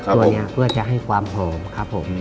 ตัวนี้เพื่อจะให้ความหอมครับผม